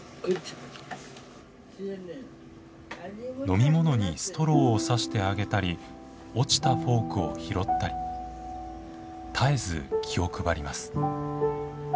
飲み物にストローをさしてあげたり落ちたフォークを拾ったり絶えず気を配ります。